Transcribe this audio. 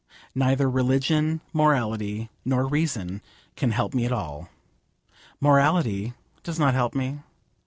Neither religion, morality, nor reason can help me at all. Morality does not help me.